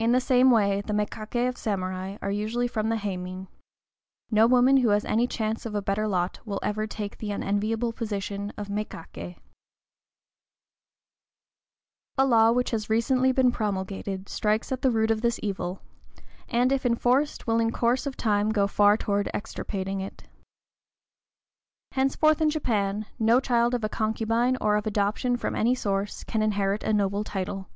In the same way the mékaké of samurai are usually from the héimin. No woman who has any chance of a better lot will ever take the unenviable position of mékaké. A law which has recently been promulgated strikes at the root of this evil, and, if enforced, will in course of time go far toward extirpating it. Henceforth in Japan, no child of a concubine, or of adoption from any source, can inherit a noble title.